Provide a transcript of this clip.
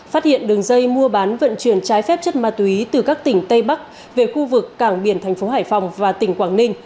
phát hiện đường dây mua bán vận chuyển trái phép chất ma túy từ các tỉnh tây bắc về khu vực cảng biển thành phố hải phòng và tỉnh quảng ninh